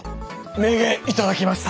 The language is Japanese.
名言頂きました！